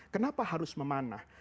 kenapa harus memanah